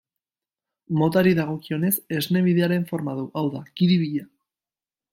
Motari dagokionez, Esne Bidearen forma du, hau da, kiribila.